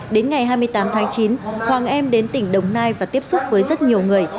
đến ngày hai mươi tám tháng chín hoàng em đến tỉnh đồng nai và tiếp xúc với rất nhiều người